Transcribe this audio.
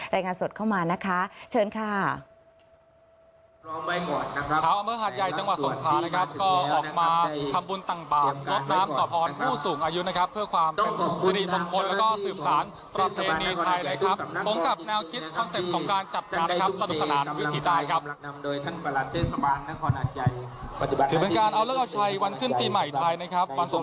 รายงานสดเข้ามานะคะเชิญค่ะ